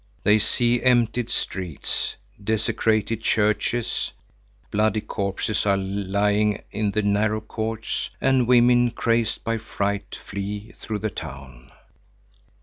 They see emptied streets, desecrated churches; bloody corpses are lying in the narrow courts, and women crazed by fright flee through the town.